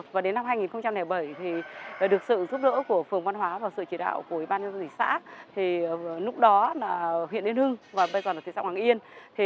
và đến năm hai nghìn bảy được sự giúp đỡ của phường văn hóa và sự chỉ đạo của ban giáo dịch xã lúc đó là huyện yên hưng và bây giờ là xã hoàng yên